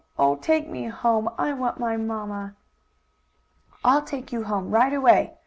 Oh, take me home! I want my mamma!" "I'll take you home right away!"